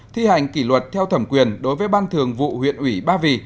thi hành kỷ luật theo thẩm quyền đối với ban thường vụ huyện ủy ba vì